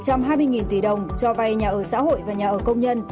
có tín dụng một trăm hai mươi tỷ đồng cho vay nhà ở xã hội và nhà ở công nhân